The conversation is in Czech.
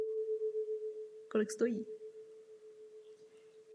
Mám k tomu ještě jednu připomínku.